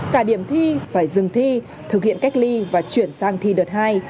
cả điểm thi phải dừng thi thực hiện cách ly và chuyển sang thi đợt hai